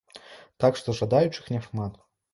Так што жадаючых няшмат.